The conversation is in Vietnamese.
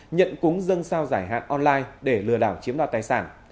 nhận cúng dân sao giải hạn online để lừa đảo chiếm đoạt tài sản